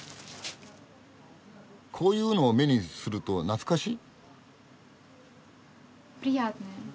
こういうのを目にすると懐かしい？